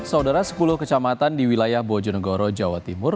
saudara sepuluh kecamatan di wilayah bojonegoro jawa timur